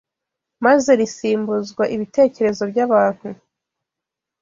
maze risimbuzwa ibitekerezo by’abantu